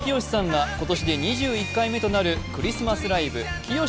氷川きよしさんが今年で２１回目となるクリスマスライブ「きよし